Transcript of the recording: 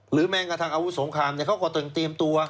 แม้กระทั่งอาวุธสงครามเขาก็ต้องเตรียมตัว